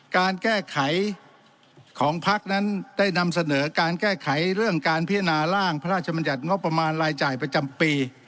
การแก้ไขของพักนั้นได้นำเสนอการแก้ไขเรื่องการพิจารณาร่างพระราชมัญญัติงบประมาณรายจ่ายประจำปี